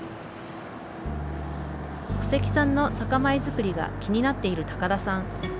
古関さんの酒米作りが気になっているタカダさん。